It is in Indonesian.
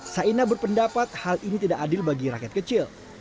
saina berpendapat hal ini tidak adil bagi rakyat kecil